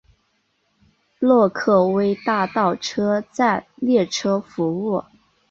洛克威大道车站列车服务。